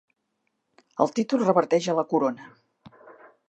El títol reverteix a la Corona.